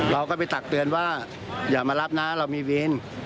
เราก็ไปตักเตือนว่าอย่ามารับนะเรามีวิน